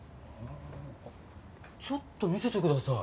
ちょっと見せてください。